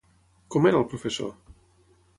Com era el professor?